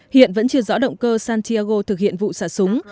hiện vẫn chưa rõ động cơ santiago thực hiện vụ xả súng